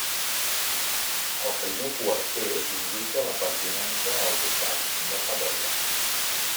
El primer quarter indica la pertinença al Ducat de Savoia.